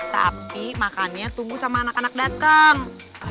tapi makannya tunggu sama anak anak datang